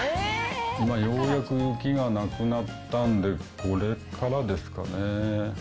今、ようやく雪がなくなったんで、これからですかね。